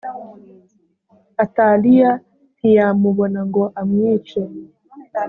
ataliya ntiyamubona ngo amwice.